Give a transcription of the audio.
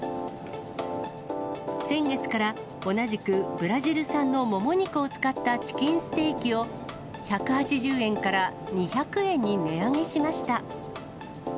先月から、同じくブラジル産のもも肉を使ったチキンステーキを、１８０円から２００円に値上げしました。